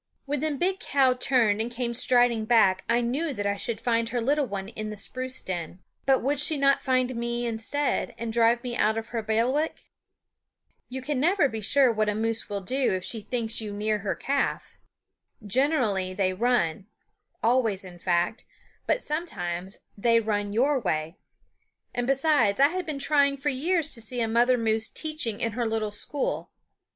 When the big cow turned and came striding back I knew that I should find her little one in the spruce den. But would she not find me, instead, and drive me out of her bailiwick? You can never be sure what a moose will do if she finds you near her calf. Generally they run always, in fact but sometimes they run your way. And besides, I had been trying for years to see a mother moose teaching in her little school.